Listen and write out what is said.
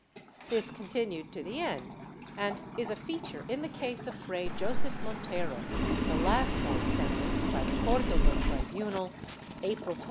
This continued to the end and is a feature in the case of Fray Josef Montero, the last one sentenced by the Cordova tribunal, April 24, 1819."